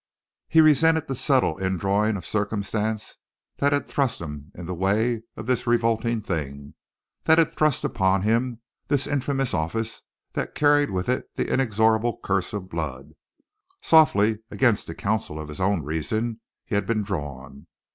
He resented the subtle indrawing of circumstance that had thrust him in the way of this revolting thing, that had thrust upon him this infamous office that carried with it the inexorable curse of blood. Softly, against the counsel of his own reason, he had been drawn.